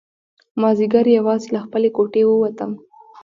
مازیګر یوازې له خپلې کوټې ووتم.